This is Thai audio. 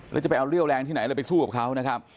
แล้วจะไปเอาเรี่ยวแรงที่ไหนอะไรไปสู้กับเขานะครับ